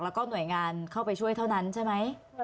แล้วก็หน่วยงานเข้าไปช่วยเท่านั้นใช่ไหม